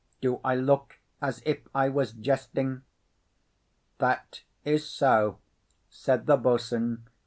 "Do I look as if I was jesting?" "That is so," said the boatswain.